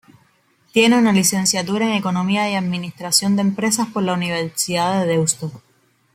Tiene una Licenciatura en Economía y Administración de Empresas por la Universidad de Deusto.